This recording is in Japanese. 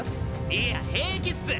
いや平気っす！